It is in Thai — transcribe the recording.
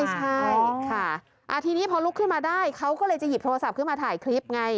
ใช่ค่ะทีนี้พอลุกขึ้นมาได้เขาก็เลยจะหยิบโทรศัพท์ขึ้นมาถ่ายคลิปไง